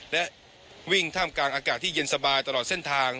และวิ่งท่ามกลางอากาศที่เย็นสบายตลอดเส้นทาง